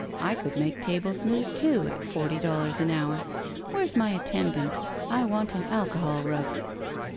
"I could make tables move, too, at forty dollars an hour. Where's my attendant? I want an alcohol rub."